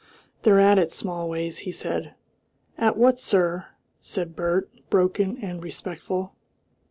"They're at it, Smallways," he said. "At what, sir?" said Bert, broken and respectful.